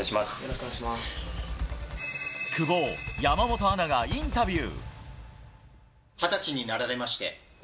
久保を山本アナがインタビュー。